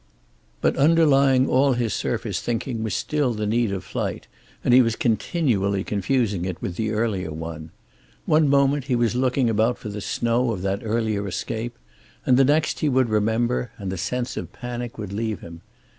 But underlying all his surface thinking was still the need of flight, and he was continually confusing it with the earlier one. One moment he was looking about for the snow of that earlier escape, and the next he would remember, and the sense of panic would leave him.